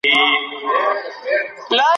ایا سیاست یوازې په دولت پورې تړل کیږي؟